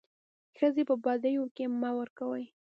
ښځي په بديو کي مه ورکوئ.